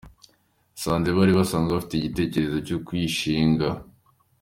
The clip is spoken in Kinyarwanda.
Nasanze bari basanzwe bafite iki gitekerezo cyo kuyishinga.